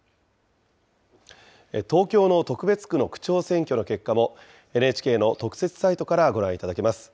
東京の特別区の区長選挙の結果も、ＮＨＫの特設サイトからご覧いただけます。